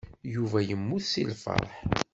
Yuba yemmut seg lfeṛḥ.